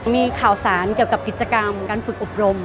มีข่าวสารเกี่ยวกับกิจกรรมการฝึกอบรม